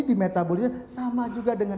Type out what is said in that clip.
dimetabolisir sama juga dengan